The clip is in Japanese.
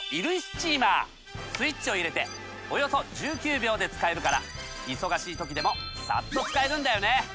スイッチを入れておよそ１９秒で使えるから忙しい時でもサッと使えるんだよね。